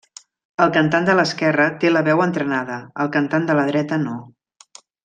El cantant de l'esquerra té la veu entrenada, el cantant de la dreta no.